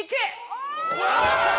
お！